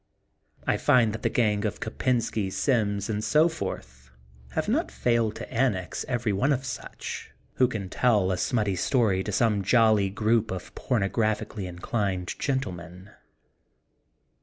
I find that the gang of Kopensky, Sims, and so forth have not failed to annex every one of such, who can tell a smutty story to some jolly group of porno graphically inclined gentlemen.